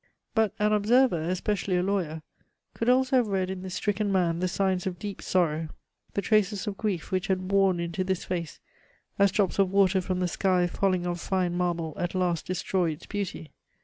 But an observer, especially a lawyer, could also have read in this stricken man the signs of deep sorrow, the traces of grief which had worn into this face, as drops of water from the sky falling on fine marble at last destroy its beauty.